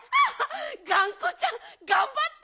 がんこちゃんがんばって！